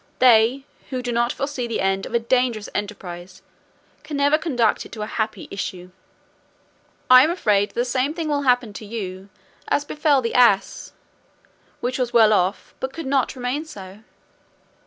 They who do not foresee the end of a dangerous enterprise can never conduct it to a happy issue. I am afraid the same thing will happen to you as befell the ass, which was well off, but could not remain so."